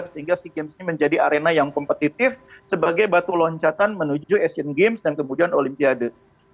sehingga sea games ini menjadi arena yang kompetitif sebagai batu loncatan menuju asian games dan kemudian olimpiade